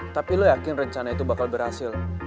tapi lo yakin rencana itu bakal berhasil